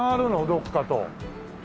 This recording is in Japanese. どこかと。